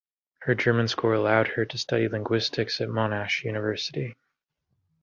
Her German score allowed her to study linguistics at Monash University.